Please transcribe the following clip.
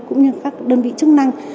cũng như các đơn vị chức năng